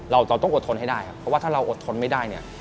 เราต้องอดทนให้ได้เพราะถ้าเราอดทนไม่ได้